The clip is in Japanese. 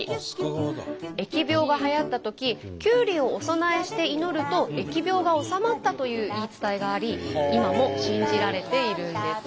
疫病がはやったとききゅうりをお供えして祈ると疫病が収まったという言い伝えがあり今も信じられているんです。